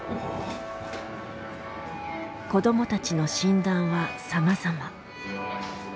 子どもたちの診断はさまざま。